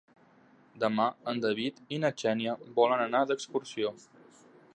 Demà en David i na Xènia volen anar d'excursió.